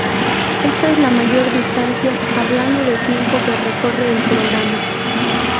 Esta es la mayor distancia, hablando de tiempo, que recorre el programa.